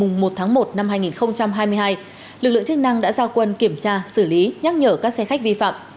lực lượng chức năng đã ra quân kiểm tra xử lý nhắc nhở các xe khách vi phạm